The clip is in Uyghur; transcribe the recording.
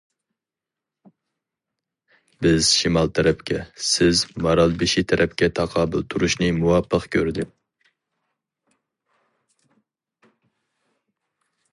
بىز شىمال تەرەپكە، سىز مارالبېشى تەرەپكە تاقابىل تۇرۇشنى مۇۋاپىق كۆردى.